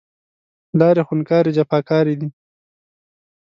لارې خونکارې، جفاکارې دی